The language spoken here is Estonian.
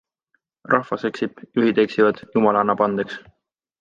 Rahvas eksib, juhid eksivad, Jumal annab andeks.